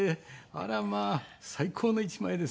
あらまあ最高の１枚ですね。